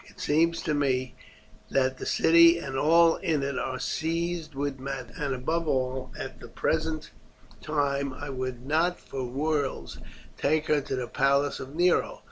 It seems to me that the city and all in it are seized with madness, and above all, at the present time, I would not for worlds take her to the palace of Nero.